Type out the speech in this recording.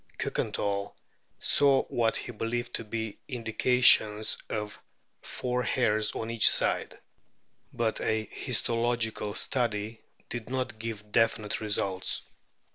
Kiikenthal saw what he believed to be indications of four hairs on each side ; but a histolo gical study did not give definite results.